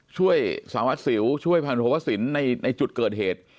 ช่วยสหวัสศิลป์ช่วยพระมุโภพศิลป์ในจุดเกิดเหตุ